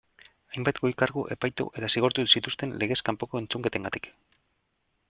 Hainbat goi kargu epaitu eta zigortu zituzten legez kanpoko entzuketengatik.